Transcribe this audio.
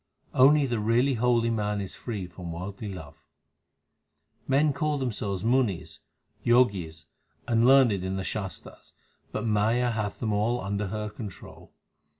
Only the really holy man is free from worldly love : Men call themselves Munis, Jogis, and learned in the Shastars, but Maya hath them all under her control.